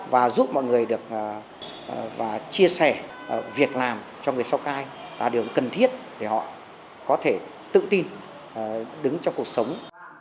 và giúp mọi người được và chia sẻ việc làm cho người sau cai là điều cần thiết để họ có thể tự tin đứng trong cuộc sống